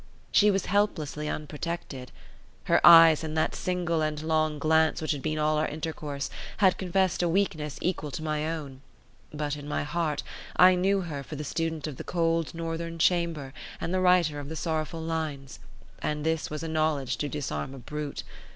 She was helplessly unprotected; her eyes, in that single and long glance which had been all our intercourse, had confessed a weakness equal to my own; but in my heart I knew her for the student of the cold northern chamber, and the writer of the sorrowful lines; and this was a knowledge to disarm a brute.